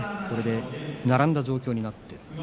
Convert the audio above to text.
これで並んだ状況になって。